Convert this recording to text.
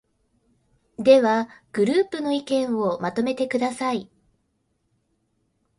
では、グループの意見をまとめてください。